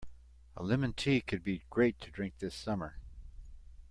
A lemon tea could be great to drink this summer.